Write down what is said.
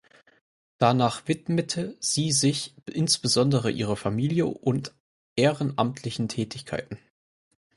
Danach widmete sie sich insbesondere ihrer Familie und ehrenamtlichen Tätigkeiten.